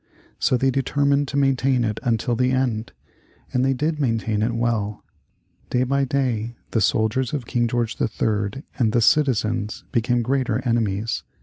So they determined to maintain it until the end, and they did maintain it well. Day by day the soldiers of King George III. and the citizens became greater enemies.